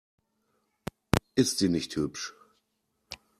Ist sie nicht hübsch?